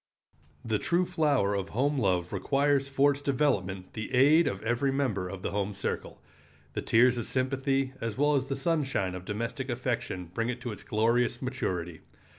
The true flower of home love requires for its development the aid of every member of the home circle. The tears of sympathy as well as the sunshine of domestic affection bring it to its glorious maturity.